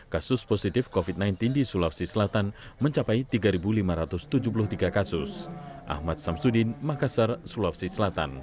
kasus positif covid sembilan belas di sulawesi selatan mencapai tiga lima ratus tujuh puluh tiga kasus